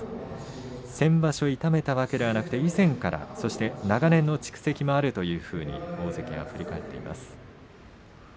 先場所痛めたわけではなくて以前から長年の蓄積もあるというふうに大関自身は語っています。